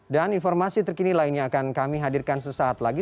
dan informasi terkini lainnya akan kami hadirkan sesaat lagi